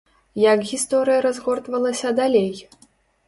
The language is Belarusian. Як гісторыя разгортвалася далей?